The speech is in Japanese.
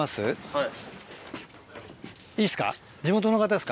はい。